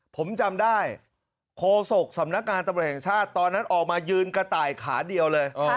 ผมจำได้โคศกสำนักงานตำรวจแห่งชาติตอนนั้นออกมายืนกระต่ายขาเดียวเลย